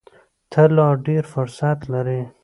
ته لا ډېر فرصت لرې !